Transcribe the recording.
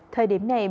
thời điểm này